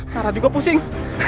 nara juga pusing